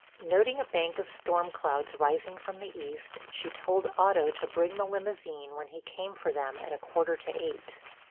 Noting a bank of storm clouds rising from the east, she told Otto to bring the limousine when he came for them at a quarter to eight.